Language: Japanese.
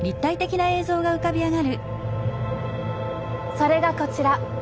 それがこちら。